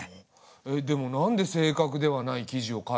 えでもなんで正確ではない記事を書いたんだろう？